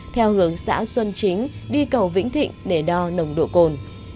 theo hướng xã xuân chính đi cầu vĩnh thịnh để đo nồng độ cồn